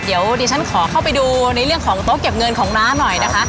เดี๋ยวดิฉันขอเข้าไปดูในเรื่องของโต๊ะเก็บเงินของน้าหน่อยนะคะ